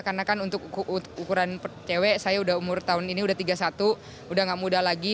karena kan untuk ukuran cewek saya udah umur tahun ini udah tiga puluh satu udah gak muda lagi